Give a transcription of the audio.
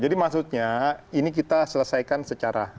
jadi maksudnya ini kita selesaikan secara permen